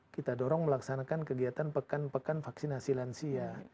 kita dorong melaksanakan kegiatan pekan pekan vaksinasi lansia